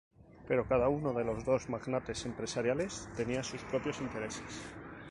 Pero cada uno de los dos magnates empresariales tenía sus propios intereses.